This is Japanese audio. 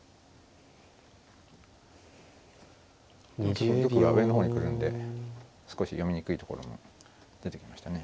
結構玉が上の方に来るんで少し読みにくいところも出てきましたね。